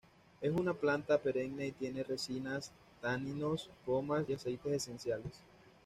Es una planta perenne y tiene resinas, taninos, gomas y aceites esenciales.